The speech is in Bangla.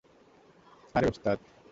আরে, ওস্তাদ!